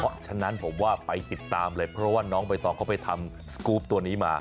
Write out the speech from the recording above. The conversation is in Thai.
เพราะฉะนั้นผมว่าไปติดตามเลยเพราะว่าน้องใบตองเขาไปทำสกรูปตัวนี้มา